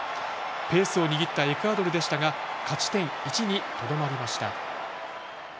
ペースを握ったエクアドルでしたが勝ち点１にとどまりました。